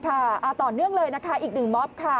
ต่อเนื่องเลยนะคะอีกหนึ่งมอบค่ะ